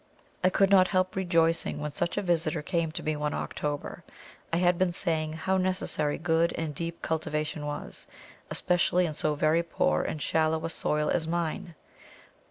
I could not help rejoicing when such a visitor came to me one October. I had been saying how necessary good and deep cultivation was, especially in so very poor and shallow a soil as mine.